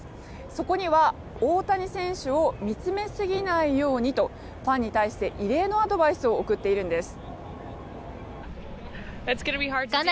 そこには大谷選手を見つめすぎないようにとファンに対して異例のアドバイスを送っているんです。